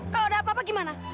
kalau ada apa apa gimana